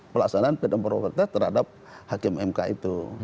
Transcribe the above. pelaksanaan patent proper test terhadap hakim mk itu